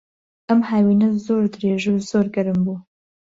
ئەم هاوینە زۆر درێژ و زۆر گەرم بوو.